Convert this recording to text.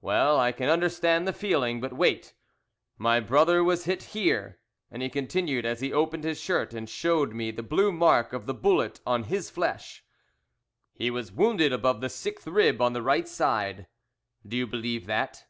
Well, I can understand the feeling. But wait. My brother was hit here," he continued, as he opened his shirt and showed me the blue mark of the bullet on his flesh, "he was wounded above the sixth rib on the right side do you believe that?"